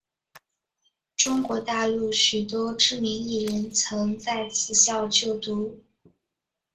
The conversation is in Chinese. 中国大陆许多知名艺人曾在此校就读。